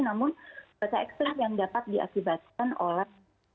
namun cuaca ekstrim yang dapat diakibatkan oleh